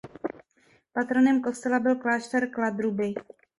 Patronem kostela byl klášter Kladruby.